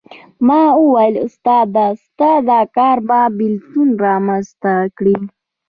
ما وویل استاده ستا دا کار به بېلتون رامېنځته کړي.